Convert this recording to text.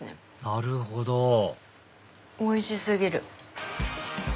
なるほどおいし過ぎる。